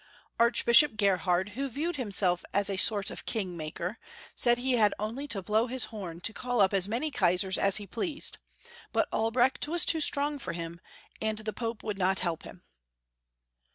Archbishop Gerhard, who viewed himself as a sort of king maker, said he had 204 Young Folks* History of Gtermany. only to blow his horn to call up as many Kaisars as he pleased ; but Albrecht was too strong for him, and the Pope woidd not help him.